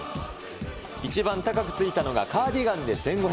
一番高くついたのがカーディガンで１５００円。